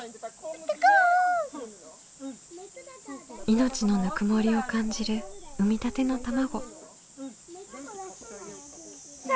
命のぬくもりを感じる産みたての卵。